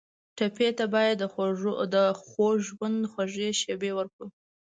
ټپي ته باید د خوږ ژوند خوږې شېبې ورکړو.